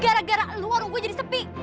gara gara luar gue jadi sepi